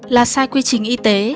là sai quy trình y tế